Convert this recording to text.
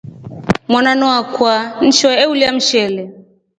Wananu akwaa nshoo ulye mshele.